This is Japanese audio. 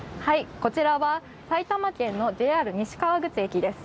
こちらは埼玉県のＪＲ西川口駅です